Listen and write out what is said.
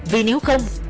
vì nếu không